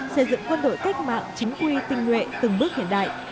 xây dựng quân đội cách mạng chính quy tinh nguyện từng bước hiện đại